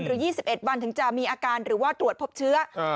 ๒๑วันถึงจะมีอาการหรือว่าตรวจพบเชื้อ